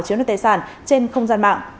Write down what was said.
chiếm đoạt tài sản trên không gian mạng